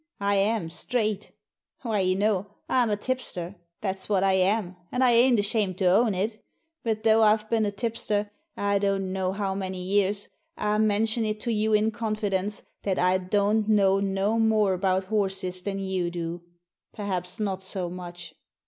I am, straight Why, you know, I'm a tipster; that's what I am, and I ain't ashamed to own it. But though I've been a tipster, I don't know how many years, I mention it to you in confidence that I don't know no more about horses than you do — perhaps not so much.